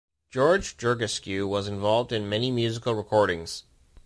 George Georgescu was involved in many musical recordings.